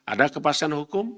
ada kepastian hukum